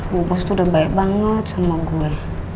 gue bos tuh udah baik banget sama gue